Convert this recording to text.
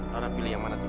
lara pilih yang mana dulu